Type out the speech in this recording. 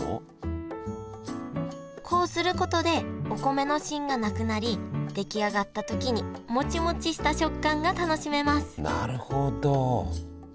こうすることでお米の芯がなくなり出来上がった時にモチモチした食感が楽しめますなるほど！